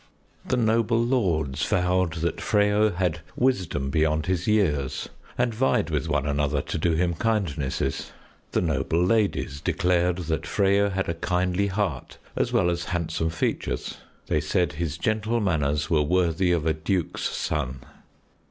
The noble lords vowed that Freyo had wisdom beyond his years and vied with one another to do him kindnesses. The noble ladies declared that Freyo had a kindly heart as well as handsome features. They said his gentle manners were worthy of a duke's son.